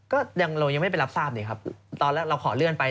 ก็ยังเรายังไม่ไปรับทราบนี่ครับตอนแรกเราขอเลื่อนไป